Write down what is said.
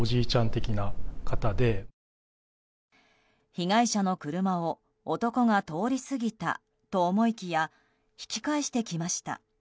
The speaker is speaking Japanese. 被害者の車を男が通り過ぎたと思いきや引き返してきました。